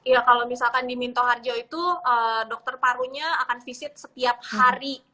ya kalau misalkan di minto harjo itu dokter parunya akan visit setiap hari